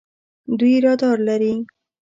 دوی رادار لري.